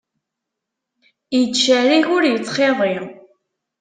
Ittcerrig ur ittxiḍi.